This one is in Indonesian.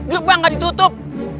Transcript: gep banget ditutup